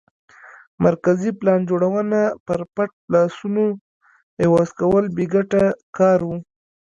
مرکزي پلان جوړونه پر پټ لاسونو عوض کول بې ګټه کار و